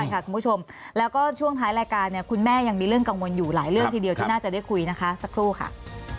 เจ้าของพื้นที่ค่ะภูมิกับสวัสดีค่ะครับสวัสดีครับ